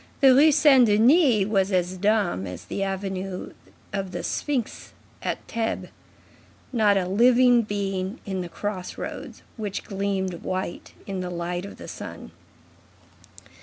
The Rue Saint Denis was as dumb as the avenue of Sphinxes at Thebes. Not a living being in the crossroads, which gleamed white in the light of the sun.